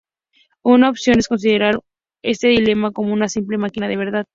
Una opción es considerar este dilema como una simple "máquina de la verdad".